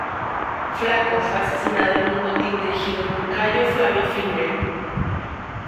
Flaco fue asesinado en un motín dirigido por Cayo Flavio Fimbria.